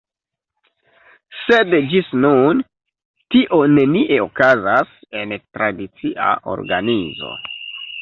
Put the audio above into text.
Sed ĝis nun tio nenie okazas en tradicia organizo.